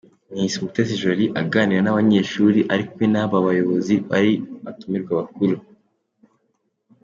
Miss Mutesi Jolly aganira n'abanyeshuri ari kumwe n'aba bayobozi bari abatumirwa bakuru.